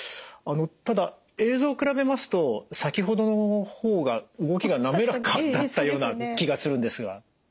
ただ映像を比べますと先ほどの方が動きが滑らかだったような気がするんですが。